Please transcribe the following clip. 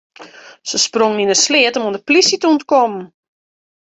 Se sprongen yn in sleat om oan de polysje te ûntkommen.